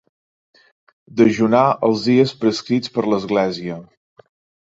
Dejunar els dies prescrits per l'Església.